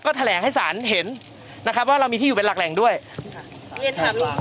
ก็แถลงให้สารเห็นนะครับว่าเรามีที่อยู่เป็นหลักแหล่งด้วยเรียนถามลุงคนค่ะ